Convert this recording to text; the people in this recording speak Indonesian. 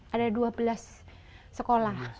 ada dua belas sekolah